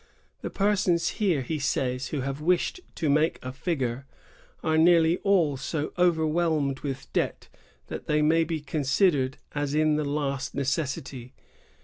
2 "The persons here," he says, "who have wished to make a figure are nearly all so overwhelmed with debt that they may be considered as in the last necessity."